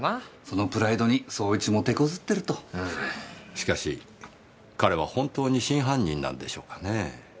しかし彼は本当に真犯人なんでしょうかねぇ。